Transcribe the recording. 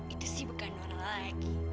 itu sih bukan orang lagi